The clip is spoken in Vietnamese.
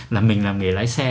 là mình là người lái xe